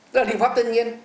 tức là liệu pháp thiên nhiên